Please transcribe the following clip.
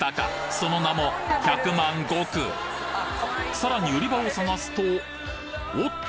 その名もさらに売り場を探すとおっと！？